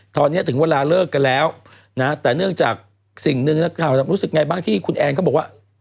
ตอนนี้ถึงเวลาเลิกกันแล้วนะแต่เนื่องจากสิ่งหนึ่งนักข่าวจะรู้สึกไงบ้างที่คุณแอนเขาบอกว่า